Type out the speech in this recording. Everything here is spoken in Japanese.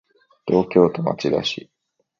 東京都町田市